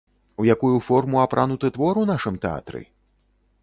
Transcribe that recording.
У якую форму апрануты твор у нашым тэатры?